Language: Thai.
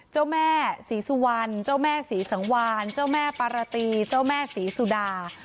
เจ้าแม่ศรีสุวรรณเจ้าแม่ศรีสังวานเจ้าแม่ปารตีเจ้าแม่ศรีสุดา